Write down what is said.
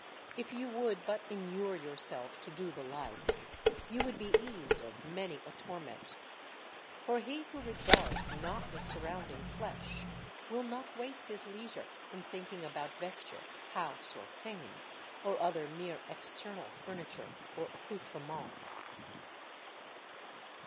If you would but inure yourself to do the like, you would be eased of many a torment. For he who regards not the surrounding flesh will not waste his leisure in thinking about vesture, house, or fame, or other mere external furniture or accoutrement.